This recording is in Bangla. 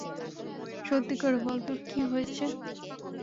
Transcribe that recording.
সত্যি করে বল, তোর কী হয়েছে?